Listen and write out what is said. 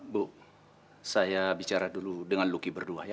bu saya bicara dulu dengan luki berdua ya